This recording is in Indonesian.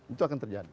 itu akan terjadi